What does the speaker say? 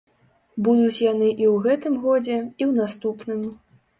Будуць яны і ў гэтым годзе, і ў наступным.